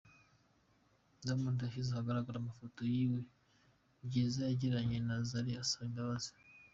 Diamond yashyize ahagaragara amafoto y’ibihe byiza yagiranye na zari asaba imbabazi.